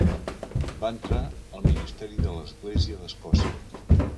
Va entrar al ministeri de l'Església d'Escòcia.